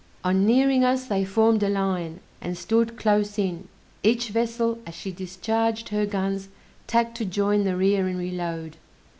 On nearing us, they formed a line, and stood close in; each vessel as she discharged her guns tacked to join the rear and reload.